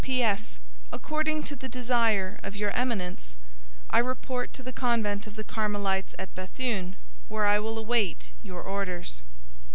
"P.S.—According to the desire of your Eminence, I report to the convent of the Carmelites at Béthune, where I will await your orders."